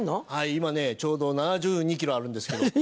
今ねちょうど７２ｋｇあるんですけど。